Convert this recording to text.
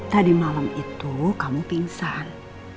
tadi malam itu kamu pingsan